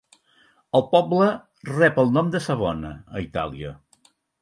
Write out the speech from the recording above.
El poble rep el nom de Savona, a Itàlia.